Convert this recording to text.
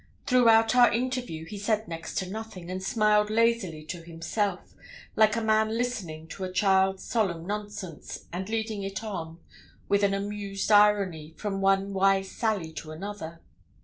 Throughout our interview he said next to nothing, and smiled lazily to himself, like a man listening to a child's solemn nonsense, and leading it on, with an amused irony, from one wise sally to another.